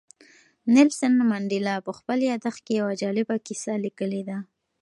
نیلسن منډېلا په خپل یاداښت کې یوه جالبه کیسه لیکلې ده.